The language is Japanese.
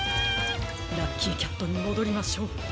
ラッキーキャットにもどりましょう。